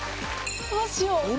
どうしよう。